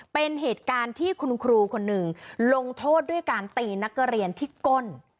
เป็นเหตุการณ์ที่คุณครูคนหนึ่งลงโทษด้วยการตีนักเรียนที่ก้น